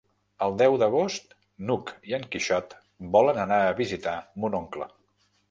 El deu d'agost n'Hug i en Quixot volen anar a visitar mon oncle.